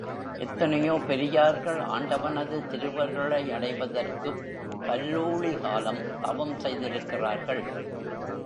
எத்தனையோ பெரியார்கள் ஆண்டவனது திருவருளை அடைவதற்குப் பல்லூழி காலம் தவம் செய்திருக்கிறார்கள்.